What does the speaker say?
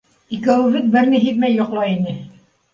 Икәүебеҙ бер ни һиҙмәй йоҡлай ине.